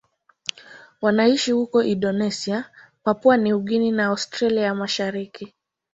Wanaishi huko Indonesia, Papua New Guinea na Australia ya Mashariki.